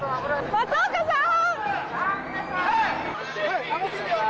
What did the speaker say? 松岡さん！